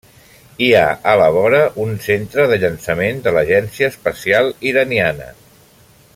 Hi ha a la vora un centre de llançament de l'Agència Espacial Iraniana.